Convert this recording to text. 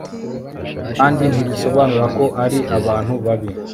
kandi ntibisobanura ko ari abantu babi